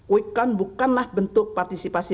wikan bukanlah bentuk partisipasi